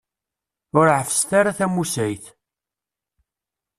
Ur ɛeffset ara tamusayt.